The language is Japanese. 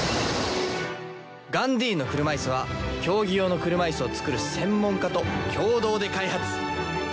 ガンディーンの車いすは競技用の車いすを作る専門家と共同で開発。